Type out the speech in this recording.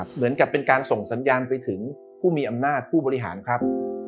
เหมือนกับเป็นการส่งสัญญาณไปถึงผู้มีอำนาจผู้บริหารครับ